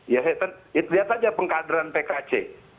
ya lihat aja pengkaderan pkc